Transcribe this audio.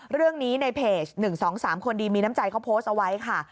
ในเพจ๑๒๓คนดีมีน้ำใจเขาโพสต์เอาไว้ค่ะ